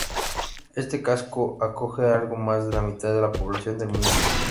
Este casco acoge a algo más de la mitad de la población del municipio.